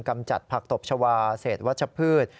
กำจัดผักตบชาวาเศษวัชพืช